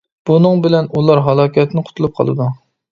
بۇنىڭ بىلەن ئۇلار ھالاكەتتىن قۇتۇلۇپ قالىدۇ.